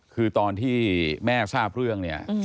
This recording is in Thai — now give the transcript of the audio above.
คือตอนที่แม่ทราบเรื่องเนี่ย